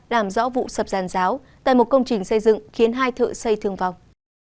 làm rõ vụ sập giàn giáo tại một công trình xây dựng khiến hai thợ xây thương vong